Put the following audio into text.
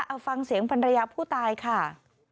เอาฟังเสียงภรรยาผู้ตายค่ะ